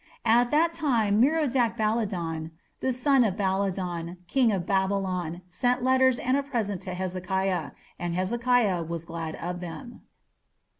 "At that time Merodach Baladan, the son of Baladan, king of Babylon, sent letters and a present to Hezekiah.... And Hezekiah was glad of them."